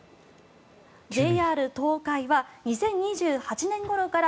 ＪＲ東海は２０２８年ごろから